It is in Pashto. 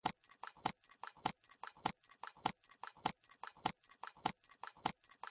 افغانستان د خاورې د ساتنې لپاره پوره او ځانګړي قوانین لري.